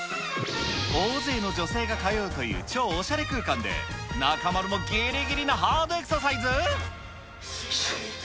大勢の女性が通うという超おしゃれ空間で、中丸もぎりぎりなハードエクササイズ。